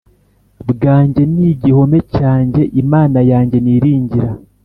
bwanjye n igihome cyanjye Imana yanjye niringira